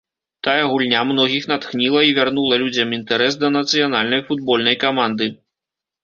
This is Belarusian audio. Тая гульня многіх натхніла і вярнула людзям інтарэс да нацыянальнай футбольнай каманды.